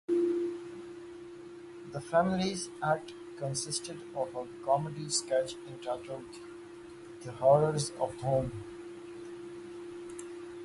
The family's act consisted of a comedy sketch entitled "The Horrors of Home".